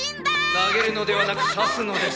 投げるのではなく刺すのです。